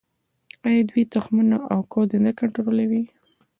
آیا دوی تخمونه او کود نه کنټرولوي؟